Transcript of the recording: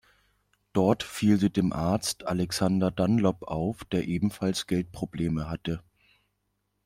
Dort fiel sie dem Arzt Alexander Dunlop auf, der ebenfalls Geldprobleme hatte.